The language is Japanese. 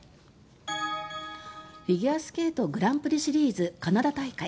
フィギュアスケートグランプリシリーズカナダ大会。